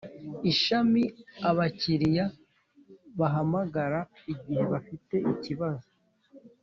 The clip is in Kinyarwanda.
Ishami abakiriya bahamagara igihe bafite ikibazo